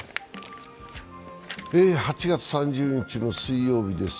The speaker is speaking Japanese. ８月３０日の水曜日です。